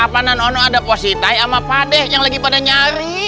apaan ada positif sama pade yang lagi pada nyari